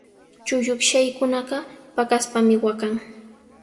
Chullukshaykunaqa paqaspami waqan.